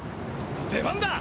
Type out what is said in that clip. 出番だ！